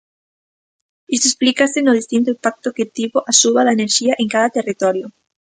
Isto explícase no distinto impacto que tivo a suba da enerxía en cada territorio.